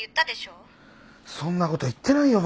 そんなこと言ってないよ